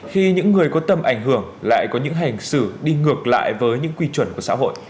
khi những người có tầm ảnh hưởng lại có những hành xử đi ngược lại với những quy chuẩn của xã hội